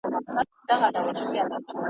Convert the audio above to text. تور بورا دي وزر بل محفل ته یوسي .